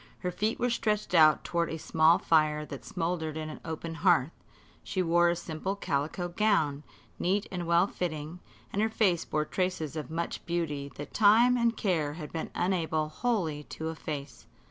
Her feet were stretched out toward a small fire that smouldered in an open hearth. She wore a simple calico gown, neat and well fitting, and her face bore traces of much beauty that time and care had been unable wholly to efface.